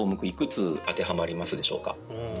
いくつ当てはまりますでしょうか？